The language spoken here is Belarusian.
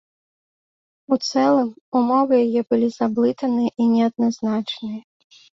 У цэлым, умовы яе былі заблытаныя і неадназначныя.